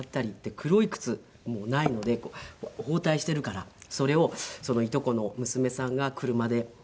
黒い靴もないので包帯しているからそれをいとこの娘さんが車で買いに行ったり。